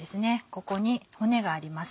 ここに骨があります